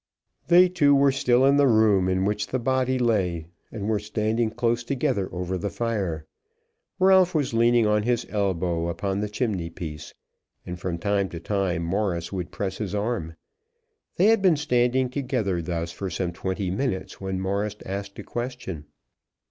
They two were still in the room in which the body lay, and were standing close together over the fire. Ralph was leaning on his elbow upon the chimneypiece, and from time to time Morris would press his arm. They had been standing together thus for some twenty minutes when Morris asked a question.